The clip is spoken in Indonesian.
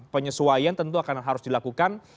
penyesuaian tentu akan harus dilakukan